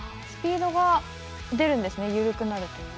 スピードが出るんですね緩くなると。